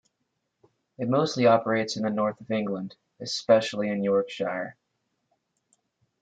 It mostly operates in the North of England, especially in Yorkshire.